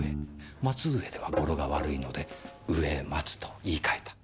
松上ではゴロが悪いので上松と言い換えた。